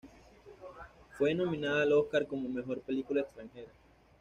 Fue nominada al Óscar como mejor película extranjera